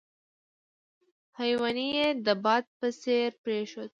هیوني یې د باد په څېر پرېښود.